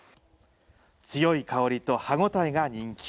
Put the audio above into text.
強い香りと歯応えが人気。